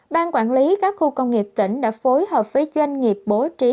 ban quản lý các khu công nghiệp tỉnh đã phối hợp với doanh nghiệp bố trí